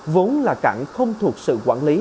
vốn là cảng không thuộc sự quản lý